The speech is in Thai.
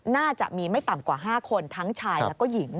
น่าจะมีไม่ต่ำกว่า๕คนทั้งชายแล้วก็หญิง